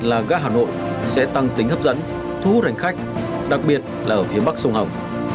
là ga hà nội sẽ tăng tính hấp dẫn thu hút hành khách đặc biệt là ở phía bắc sông hồng